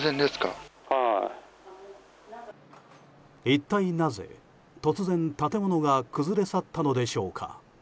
一体なぜ、突然建物が崩れ去ったのでしょうか。